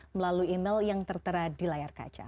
melalui email yang tertera di layar kaca